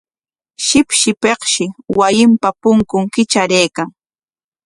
Shipshipikshi wasinpa punkun kitraraykan.